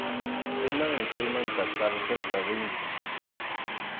Kunanmi chaymanta karsilta rinki.